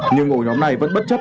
nhưng ngồi nhóm này vẫn bất chấp